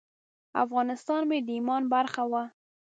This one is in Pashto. افغانستان مې د ایمان برخه وه.